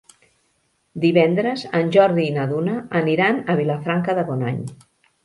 Divendres en Jordi i na Duna aniran a Vilafranca de Bonany.